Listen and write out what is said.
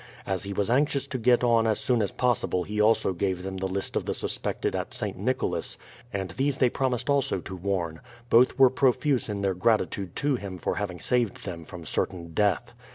As he was anxious to get on as soon as possible he also gave them the list of the suspected at St. Nicholas, and these they promised also to warn; both were profuse in their gratitude to him for having saved them from certain death.